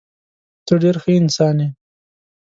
ته ډېر ښه انسان یې.